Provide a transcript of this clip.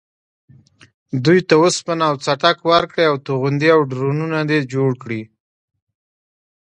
دوی ته وسپنه و څټک ورکړې او توغندي او ډرونونه دې جوړ کړي.